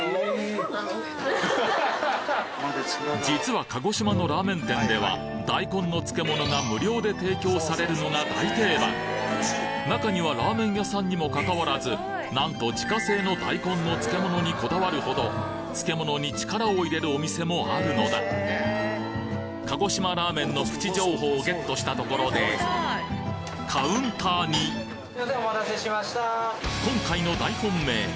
実は鹿児島のラーメン店では大根の漬物が無料で提供されるのが大定番中にはラーメン屋さんにもかかわらずなんと自家製の大根の漬物にこだわるほど漬物に力を入れるお店もあるのだ鹿児島ラーメンのプチ情報をゲットしたところでカウンターに今回の大本命